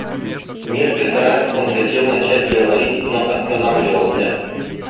Несколько раз он хотел начать говорить, но останавливался.